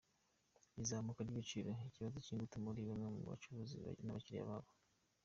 Izamuka ry’ibiciro, ikibazo cy’ingutu kuri bamwe mu bacuruzi n’abakiliya babo.